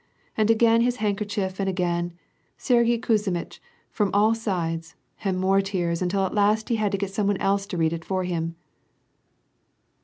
And again his handkerchief, and again, ^ Sergyei Kuzmitch, from all sides ' and more tears, until at last he had to get some one else to read it for him."